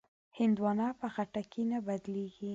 هندوانه په خټکي نه بدلېږي.